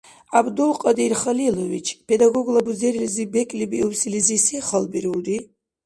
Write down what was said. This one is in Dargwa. ГӀябдулкьадир Халилович, педагогла бузерилизиб бекӀлибиубсилизи се халбирулри?